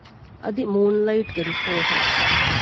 އަދި މޫންލައިޓްގެ ރިޕޯޓަރު